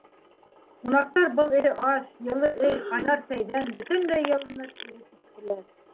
Ҡунаҡтар был эҫе аш, йылы өй, ҡайнар сәйҙән бөтөнләй йылынып, иреп киттеләр.